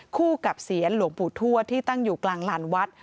คู่กับเสียนหลวงปู่ทวดที่ตั้งอยู่กลางลานวัด